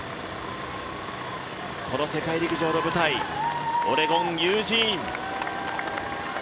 この世界陸上の舞台オレゴン・ユージーン。